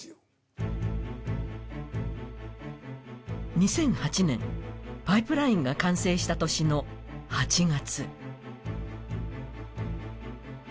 ２００８年、パイプラインが完成した年の８月。